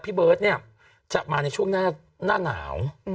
พี่เบิร์ตเนี่ยจะมาในช่วงหน้าหนาว